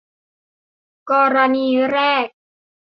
กรณีแรก